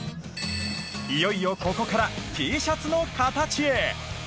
いよいよここからＴシャツの形へ。